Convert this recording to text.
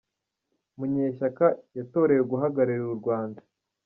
Munyeshyaka yatorewe guhagararira u’Rrwanda